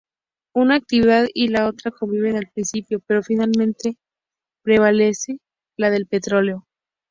Una actividad y la otra conviven al principio, pero finalmente prevalece la del petróleo.